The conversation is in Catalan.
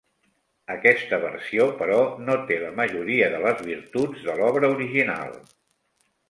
Aquesta versió però no té la majoria de les virtuts de l'obra original.